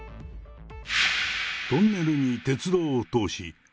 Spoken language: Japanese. トンネルに鉄道を通し、ＡＳＥＭ